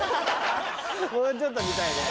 もうちょっと見たいね。